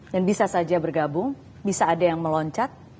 dan bisa saja bergabung bisa ada yang meloncat